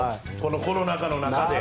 コロナ禍の中で。